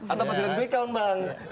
atau presiden quick count bang